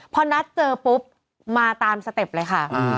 พอนัดเจอปุ๊บมาตามสเต็ปเลยค่ะ